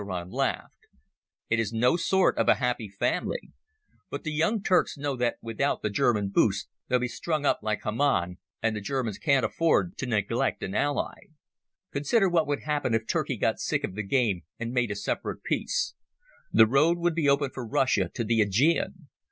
Blenkiron laughed. "It is no sort of a happy family. But the Young Turks know that without the German boost they'll be strung up like Haman, and the Germans can't afford to neglect an ally. Consider what would happen if Turkey got sick of the game and made a separate peace. The road would be open for Russia to the Aegean.